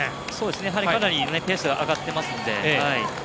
やはりペースは上がっていますので。